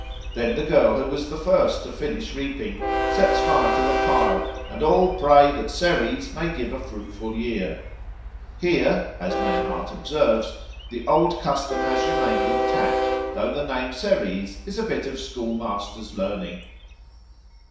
Then the girl who was the first to finish reaping sets fire to the pile, and all pray that Ceres may give a fruitful year. Here, as Mannhardt observes, the old custom has remained intact, though the name Ceres is a bit of schoolmaster's learning.